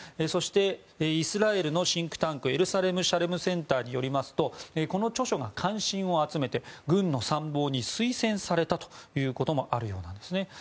そしてイスラエルのシンクタンクエルサレム・シャレムセンターによりますとこの著書が関心を集めて軍の参謀に推薦されたということもあるようなんです。